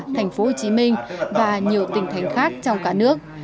thành phố hồ chí minh và nhiều tỉnh thành khác trong cả nước